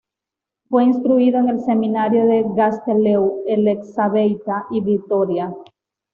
Fue instruido en el seminario de Gaztelu-Elexabeitia y Vitoria.